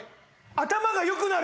頭が良くなる。